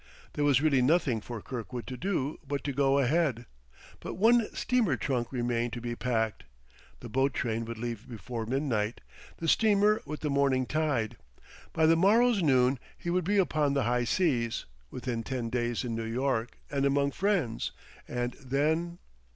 There was really nothing for Kirkwood to do but to go ahead. But one steamer trunk remained to be packed; the boat train would leave before midnight, the steamer with the morning tide; by the morrow's noon he would be upon the high seas, within ten days in New York and among friends; and then